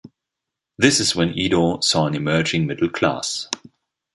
This is when Edo saw an emerging middle class.